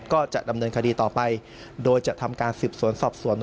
ก็จะดำเนินคดีต่อไปโดยจะทำการสืบสวนสอบสวน